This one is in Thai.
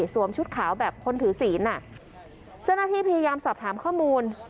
ชุดขาวแบบคนถือศีลอ่ะเจ้าหน้าที่พยายามสอบถามข้อมูล